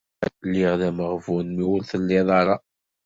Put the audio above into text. Lliɣ d ameɣbun mi ur tellid ara.